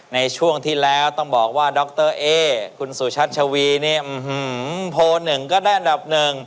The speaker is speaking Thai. ในช่วงที่แล้วต้องบอกว่าดรเอคุณสุชัชวีโพ๑ก็ได้อันดับ๑